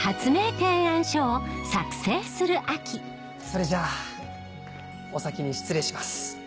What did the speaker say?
それじゃお先に失礼します。